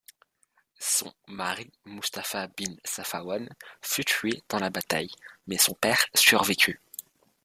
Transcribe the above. Son mari, Mustafa bin Safawan, fut tué dans la bataille, mais son père survécut.